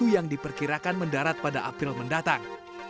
yang diperkirakan mendarat pada april mendatang